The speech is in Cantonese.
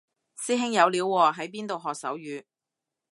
師兄有料喎喺邊度學手語